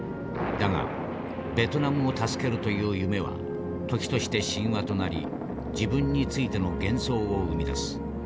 だがベトナムを助けるという夢は時として神話となり自分についての幻想を生み出す。